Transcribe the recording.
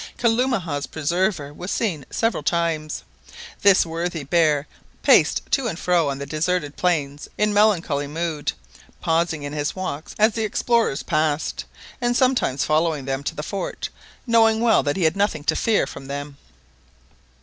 Kalumah's preserver was seen several times. This worthy bear paced to and fro on the deserted plains in melancholy mood, pausing in his walk as the explorers passed, and sometimes following them to the fort, knowing well that he had nothing to fear from them.